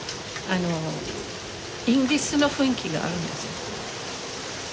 あのイギリスの雰囲気があるんですよ。